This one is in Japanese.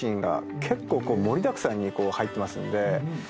結構盛りだくさんに入ってますんで。